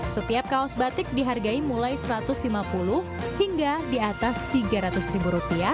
setiap kaos batik dihargai mulai rp satu ratus lima puluh hingga di atas rp tiga ratus